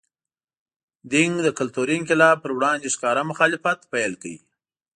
دینګ د کلتوري انقلاب پر وړاندې ښکاره مخالفت پیل کړ.